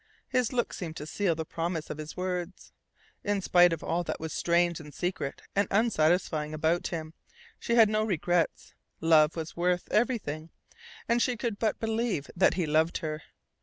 His look seemed to seal the promise of his words. In spite of all that was strange and secret and unsatisfying about him, she had no regrets. Love was worth everything, and she could but believe that he loved her.